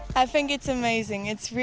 saya pikir ini luar biasa